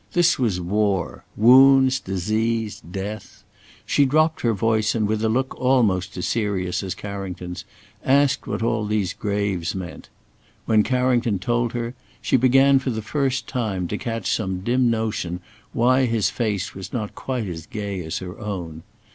This was war wounds, disease, death. She dropped her voice and with a look almost as serious as Carrington's, asked what all these graves meant. When Carrington told her, she began for the first time to catch some dim notion why his face was not quite as gay as her own.